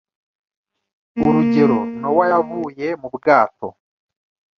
Urugero Nowa yavuye mu bwato